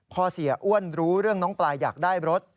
พอเสียอ้วนรู้เรื่องน้องปลายอยากได้รถ